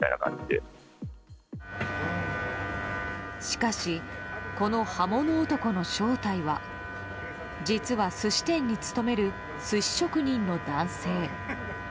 しかし、この刃物男の正体は実は、寿司店に勤める寿司職人の男性。